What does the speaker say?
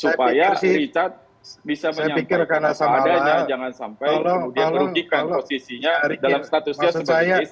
supaya richard bisa menyampaikan kepadanya jangan sampai dia merugikan posisinya dalam statusnya sebagai jc